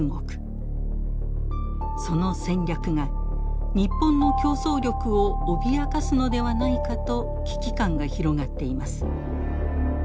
その戦略が日本の競争力を脅かすのではないかと危機感が広がっています。